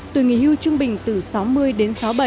tuổi nghỉ hưu trung bình từ sáu mươi đến sáu bảy